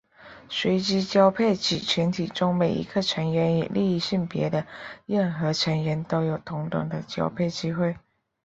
随机交配指群体中每一个成员与另一性别的任何成员都有同等的交配机会。